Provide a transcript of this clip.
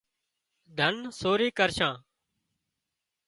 ڌن سورِي ڪرشان